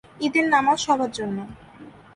ঈদের নামাজ সবার জন্য।